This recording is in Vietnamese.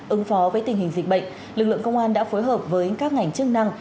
ứng phó với tình hình dịch bệnh lực lượng công an đã phối hợp với các ngành chức năng